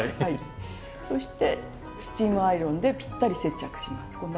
そしてスチームアイロンでぴったり接着します。